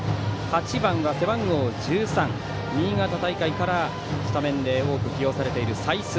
８番が背番号１３の新潟大会からスタメンで多く起用されている才須。